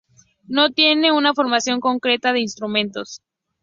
No tiene una formación concreta de instrumentos.